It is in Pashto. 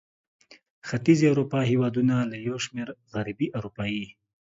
ختیځې اروپا هېوادونه له یو شمېر غربي اروپايي